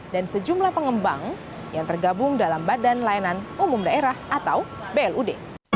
dan sejumlah pengembang yang tergabung dalam badan layanan umum daerah atau blud